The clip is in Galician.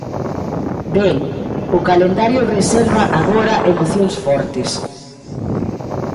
Ben, o calendario reserva agora emocións fortes.